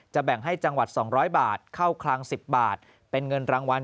แบ่งให้จังหวัด๒๐๐บาทเข้าคลัง๑๐บาทเป็นเงินรางวัล